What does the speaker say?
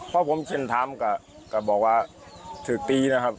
เพราะผมเช่นทำกับบอกว่าถือกตีนะครับ